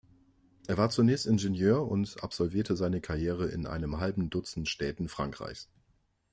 Er war zunächst Ingenieur und absolvierte seine Karriere in einem halben Dutzend Städten Frankreichs.